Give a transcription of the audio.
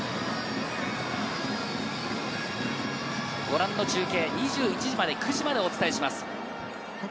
ご覧の中継、２１時までお伝えします。